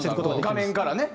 画面からね。